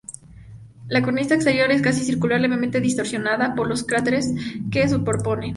La cornisa exterior es casi circular, levemente distorsionada por los cráteres que superpone.